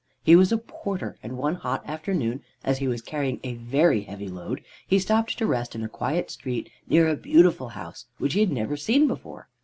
He was a porter, and one hot afternoon, as he was carrying a very heavy load, he stopped to rest in a quiet street near a beautiful house which he had never seen before.